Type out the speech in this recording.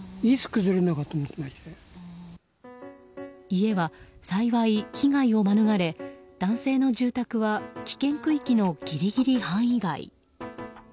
家は幸い被害を免れ男性の住宅は危険区域のギリギリ範囲外。